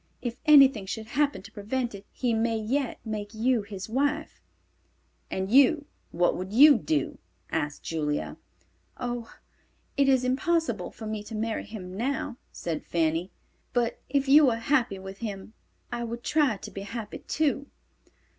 If anything should happen to prevent it, he may yet make you his wife." "And you, what would you do?" asked Julia. "Oh, it is impossible for me to marry him now," said Fanny. "But if you were happy with him, I would try to be happy, too."